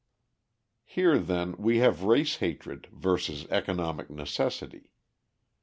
Here, then, we have race hatred versus economic necessity.